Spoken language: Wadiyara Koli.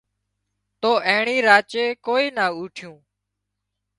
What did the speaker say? تو اينڻي راچي ڪوئي نا اوٺيون